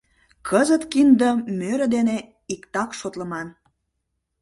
Кызыт киндым мӧрӧ дене иктак шотлыман.